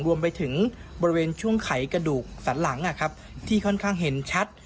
รวมไปถึงบริเวณช่วงไขกระดูกสันหลังที่ค่อนข้างเห็นชัด